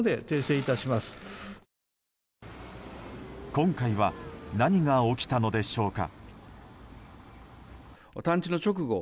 今回は何が起きたのでしょうか。